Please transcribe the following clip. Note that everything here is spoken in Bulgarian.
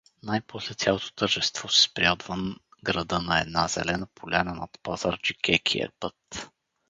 Най-после цялото тържество се спря отвън града на една зелена поляна над пазарджикекия път.